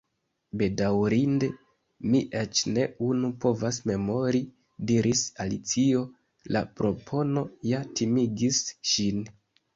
"Bedaŭrinde, mi eĉ ne unu povas memori," diris Alicio. La propono ja timigis ŝin.